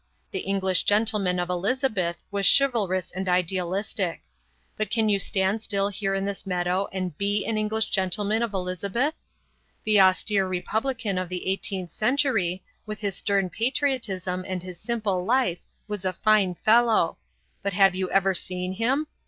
The English gentleman of Elizabeth was chivalrous and idealistic. But can you stand still here in this meadow and be an English gentleman of Elizabeth? The austere republican of the eighteenth century, with his stern patriotism and his simple life, was a fine fellow. But have you ever seen him?